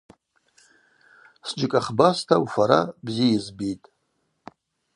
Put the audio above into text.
Сджьыкӏахбаста уфара бзи йызбитӏ.